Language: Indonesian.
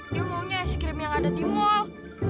dia maunya ice cream yang ada di mall